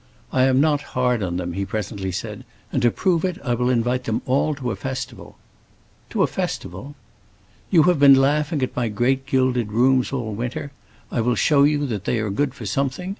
"I am not hard on them," he presently said, "and to prove it I will invite them all to a festival." "To a festival?" "You have been laughing at my great gilded rooms all winter; I will show you that they are good for something.